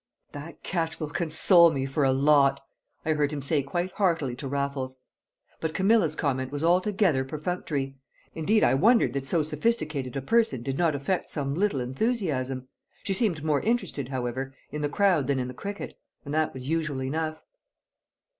"That catch will console me for a lot," I heard him say quite heartily to Raffles. But Camilla's comment was altogether perfunctory; indeed, I wondered that so sophisticated a person did not affect some little enthusiasm. She seemed more interested, however, in the crowd than in the cricket. And that was usual enough.